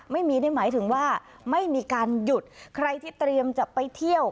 ไม่ได้หมายถึงว่าไม่มีการหยุดใครที่เตรียมจะไปเที่ยว